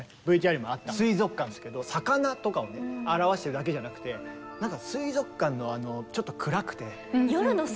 ＶＴＲにもあった「水族館」ですけど魚とかをね表しているだけじゃなくてなんか水族館のちょっと暗くて。